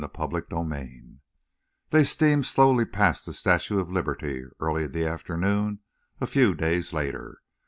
CHAPTER XXV They steamed slowly past the Statue of Liberty, early in the afternoon a few days later.